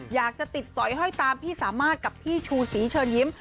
อยากจะติดสอยห้อยตามพี่สามารถกับพี่ชูศรีเชิญยิ้ม